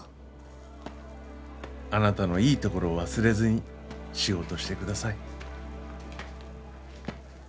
あなたのいいところを忘れずに仕事してください。